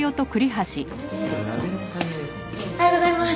おはようございます！